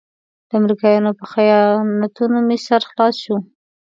د امريکايانو په خیانتونو مې سر خلاص شو.